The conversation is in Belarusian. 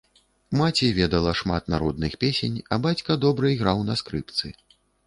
Маці ведала шмат народных песень, а бацька добра іграў на скрыпцы.